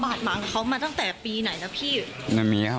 อาหารของเค้าก็มาตั้งแต่ปีไหนนะพี่